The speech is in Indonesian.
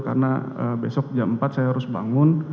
karena besok jam empat saya harus bangun